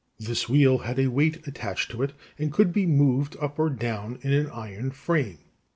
This wheel had a weight attached to it, and could be moved up or down in an iron frame.